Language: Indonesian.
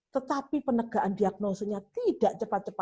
tetapi penegaan diagnosinya tidak cepat cepat